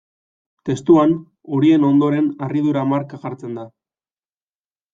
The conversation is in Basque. Testuan, horien ondoren harridura-marka jartzen da.